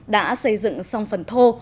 đã xây dựng xong phần thô